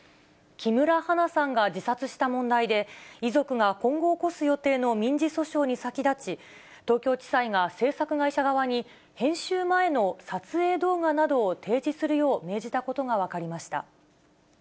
木村花さんが自殺した問題で、遺族が今後起こす予定の民事訴訟に先立ち、東京地裁が制作会社側に、編集前の撮影動画などを提示するよう命じたことが分かりました。